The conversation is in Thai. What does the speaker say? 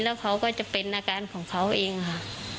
แล้วเขาก็จะเป็นอาการของเขาเองค่ะ